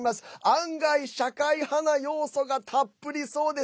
案外、社会派の要素がたっぷりそうです。